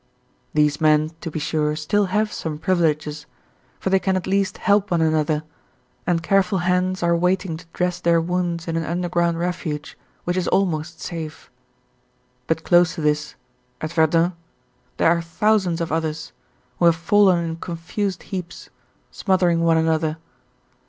These men, to be sure, still have some privileges, for they can at least help one another, and careful hands are waiting to dress their wounds in an underground refuge, which is almost safe. But close to this, at Verdun, there are thousands of others, who have fallen in confused heaps, smothering one another.